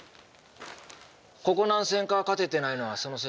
ここ何戦か勝ててないのはそのせいだ。